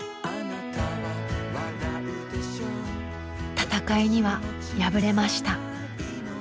戦いには敗れました。